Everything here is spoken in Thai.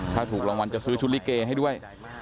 ถ้าถูกรางวัลจะซื้อชุดลิเกให้ด้วย